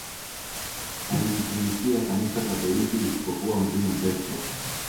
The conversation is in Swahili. alilitumikia kanisa katoliki isipokuwa mtume petro